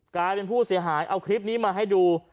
กลายเป็นผู้เสียหายเอาคลิปนี้มาให้ดู